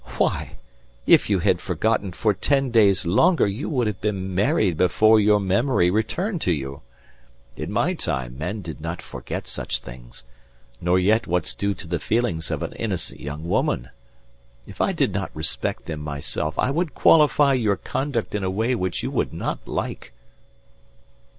Why! If you had forgotten for ten days longer you would have been married before your memory returned to you. In my time men did not forget such things nor yet what's due to the feelings of an innocent young woman. If I did not respect them myself I would qualify your conduct in a way which you would not like."